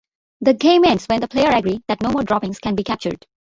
The game ends when the players agree that no more droppings can be captured.